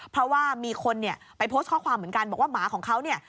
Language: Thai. เพราะว่ามีคนเนี่ยไปโพสต์ข้อความเหมือนกันบอกว่าหมาของเขาเนี่ย